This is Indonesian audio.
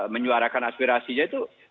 menyuarakan aspirasinya itu